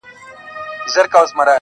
هغه د شنې ویالې پر څنډه شنه ولاړه ونه٫